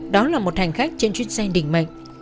đó là một hành khách trên chuyến xe đỉnh mệnh